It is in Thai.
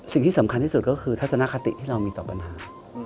สิ่งที่สำคัญที่สุดก็คือทัศนคติที่เรามีต่อปัญหา